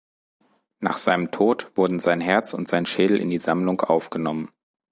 Nach seinem Tod wurden sein Herz und sein Schädel in die Sammlung aufgenommen.